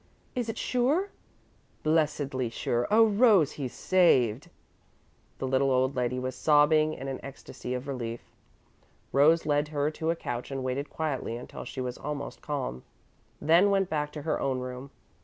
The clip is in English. Is it sure?" "Blessedly sure! Oh, Rose, he's saved!" The little old lady was sobbing in an ecstasy of relief. Rose led her to a couch and waited quietly until she was almost calm, then went back to her own room.